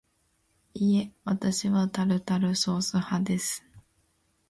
いいえ、わたしはタルタルソース派です